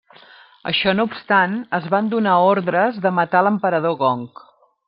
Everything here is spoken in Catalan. Això no obstant, es van donar ordres de matar l'emperador Gong.